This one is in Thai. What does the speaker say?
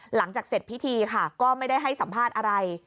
หลังจากเสร็จพิธีค่ะก็ไม่ได้ให้สัมภาษณ์อะไร